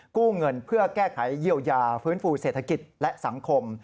กู้เงินเพื่อแก้ไขเยียวยาฟื้นฟูเศรษฐกิจและสังคม